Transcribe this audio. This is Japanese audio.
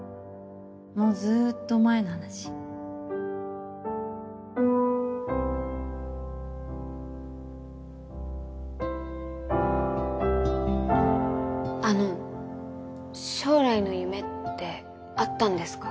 もうずっと前の話あの将来の夢ってあったんですか？